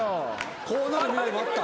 こうなる未来もあった。